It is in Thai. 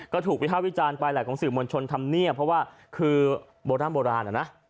ก็ถูกวิทยาวิจารณ์ไปแหละของสื่อมวลชนทำเนียบเพราะว่าคือโบราณน่ะนะ